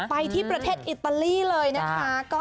ไปที่ประเทศอิตาลีเลยนะคะ